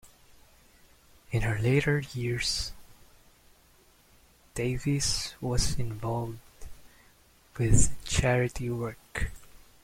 In her later years, Davies was involved with charity work.